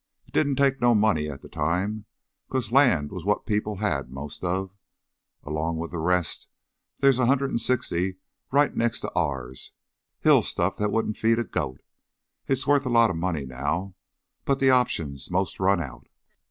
It didn't take no money at the time, 'cause land was what people had most of. Along with the rest, there's a hundred an' sixty right next to ours hill stuff that wouldn't feed a goat. It's wuth a lot of money now, but the option's 'most run out."